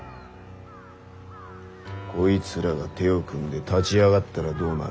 こいつらが手を組んで立ち上がったらどうなる？